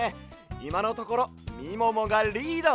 いまのところみももがリード！